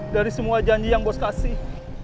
dari semua janji yang bos kasih